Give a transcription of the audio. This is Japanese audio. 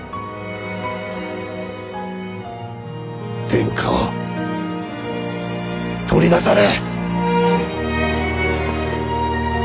天下を取りなされ！